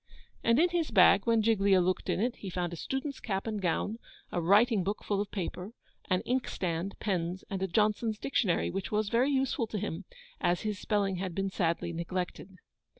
And in his bag, when Giglio looked in it, he found a student's cap and gown, a writing book full of paper, an inkstand, pens, and a Johnson's dictionary, which was very useful to him, as his spelling had been sadly neglected.